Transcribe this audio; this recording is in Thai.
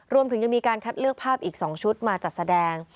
รวมถึงยังมีการคัดเลือกภาพอีก๒ชุดมาจัดแสดง